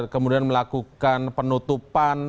kemudian melakukan penutupan